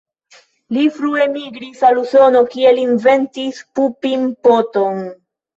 Li frue migris al Usono, kie li inventis Pupin-poton.